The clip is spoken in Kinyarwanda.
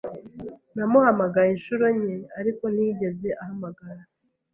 Namuhamagaye inshuro nke, ariko ntiyigeze ahamagara.